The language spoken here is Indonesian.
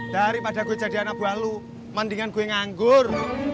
daripada gua jadi anak buah lu mendingan gua nganggur